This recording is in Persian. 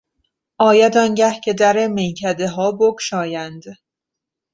آید آنگه که در میکدهها بگشایند